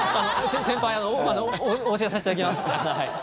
先輩お教えさせていただきます。